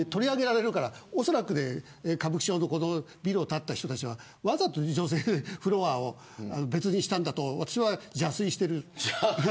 おそらく歌舞伎町のビルを建てた人たちはわざと女性フロアを別にしたんだと私は邪推している。